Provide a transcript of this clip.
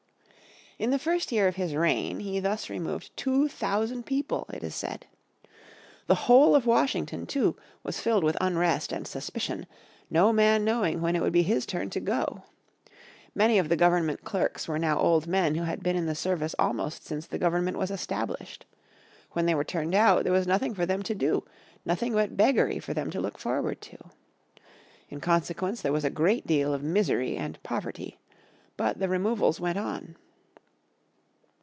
In the first year of his "reign" he thus removed two thousand people, it is said. The whole of Washington too, was filled with unrest and suspicion, no man knowing when it would be his turn to go. Many of the government clerks were now old men who had been in the service almost since the government was established. When they were turned out, there was nothing for them to do, nothing but beggary for them to look forward to. In consequence there was a great deal of misery and poverty. But the removals went on.